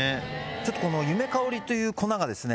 ちょっとこのゆめかおりという粉がですね